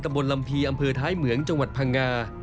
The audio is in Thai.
บนลำพีอำเภอท้ายเหมืองจังหวัดพังงา